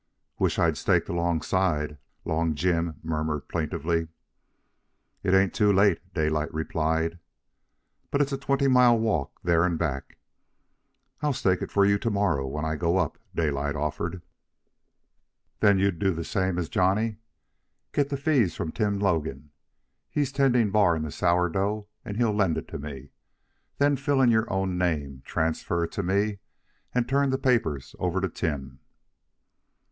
"Wish I'd staked alongside," Long Jim murmured plaintively. "It ain't too late," Daylight replied. "But it's a twenty mile walk there and back." "I'll stake it for you to morrow when I go up," Daylight offered. "Then you do the same as Johnny. Get the fees from Tim Logan. He's tending bar in the Sourdough, and he'll lend it to me. Then fill in your own name, transfer to me, and turn the papers over to Tim."